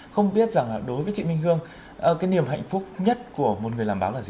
không biết rằng đối với chị minh hương cái niềm hạnh phúc nhất của một người làm báo là gì